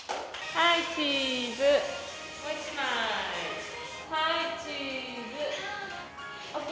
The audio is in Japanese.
はいチーズ！ＯＫ！